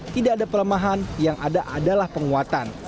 tidak ada pelemahan yang ada adalah penguatan